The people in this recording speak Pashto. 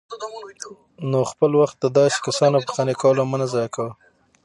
نو خپل وخت د داسي كسانو په قانع كولو مه ضايع كوه